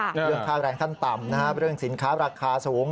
เรื่องค่าแรงขั้นต่ำเรื่องสินค้าราคาสูง